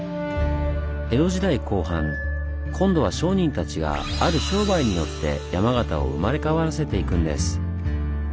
江戸時代後半今度は商人たちがある商売によって山形を生まれ変わらせていくんです。